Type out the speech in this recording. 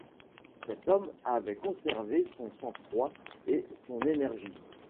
Cet homme avait conservé son sang-froid et son énergie.